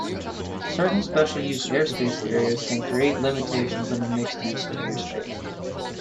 Certain special use airspace areas can create limitations on the mixed use of airspace.